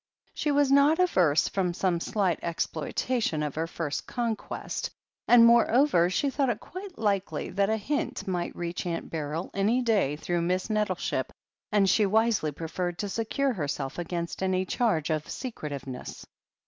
She was not averse from some slight exploitation of THE HEEL OF ACHILLES i6i her first conquest, and moreover she thought it quite likely that a hint might reach Aunt Beryl any day through Miss Nettleship, and she wisely preferred to secure herself against any charge of secretiveness.